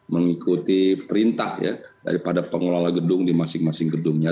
mengikuti perintah ya daripada pengelola gedung di masing masing gedungnya